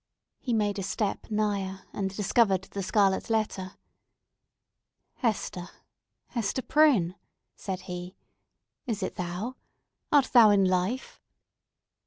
He made a step nigher, and discovered the scarlet letter. "Hester! Hester Prynne!", said he; "is it thou? Art thou in life?"